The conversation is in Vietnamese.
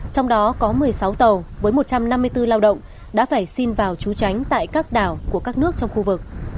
trong đó có một mươi sáu tàu với một trăm năm mươi bốn lao động đã phải xin vào trú tránh tại các đảo của các nước trong khu vực